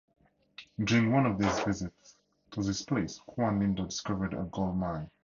During one of his visits to this place, Juan Lindo discovered a gold mine.